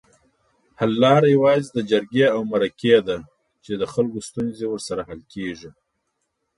حل لاره یوازې جرګې اومرکي دي چي دخلګوستونزې ورسره حل کیږي